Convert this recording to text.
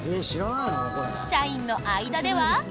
社員の間では。